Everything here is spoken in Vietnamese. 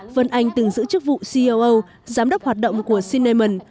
vân anh từng giữ chức vụ ceo giám đốc hoạt động của cinnamon